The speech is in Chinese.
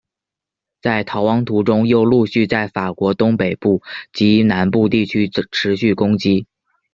在逃亡途中又陆续在法国东北部及南部地区持续攻击。